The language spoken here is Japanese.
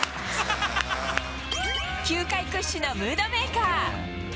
球界屈指のムードメーカー。